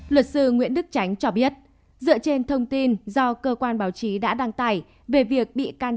luật sư nguyễn đức tránh cho biết dựa trên thông tin do cơ quan báo chí đã đăng tải về việc bị can